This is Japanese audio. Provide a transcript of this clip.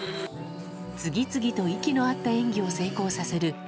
次々と息の合った演技を成功させる